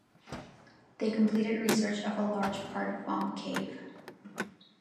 They completed research of a large part of Vom Cave.